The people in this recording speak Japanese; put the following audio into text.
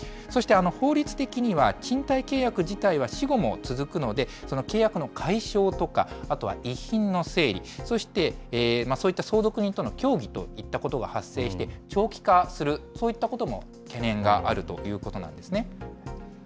そして、法律的には賃貸契約自体は死後も続くので、その契約の解消とか、あとは遺品の整理、そして、そういった相続人との協議といったことが発生して、長期化する、そういったことも懸念があるということなんですね。